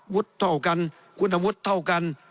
เท่ากันคุณวุฒิเท่ากัน